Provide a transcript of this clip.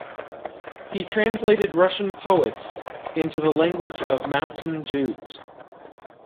He translated Russian poets into the language of Mountain Jews.